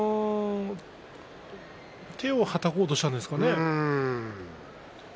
手をはたこうとしたんでしょうかね。